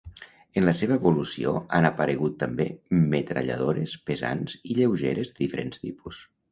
En la seva evolució han aparegut també metralladores pesants i lleugeres de diferents tipus.